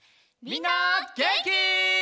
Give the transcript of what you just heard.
みんなげんき？